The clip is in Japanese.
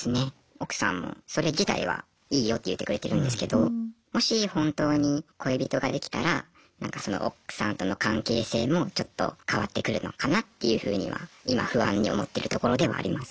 奥さんもそれ自体はいいよって言ってくれてるんですけどもし本当に恋人ができたらなんかその奥さんとの関係性もちょっと変わってくるのかなっていうふうには今不安に思ってるところでもありますね。